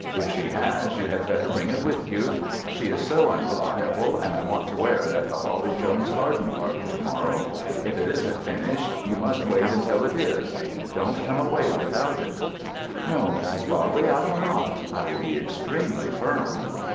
If she has, you had better bring it with you. She is so unreliable, and I want to wear it at the Hawley Jones's garden party to morrow. If it isn't finished, you must wait until it is. Don't come away without it." "No, Mrs. Bodley, I will not. I will be extremely firm."